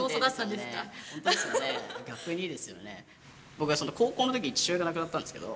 僕は高校のときに父親が亡くなったんですけど。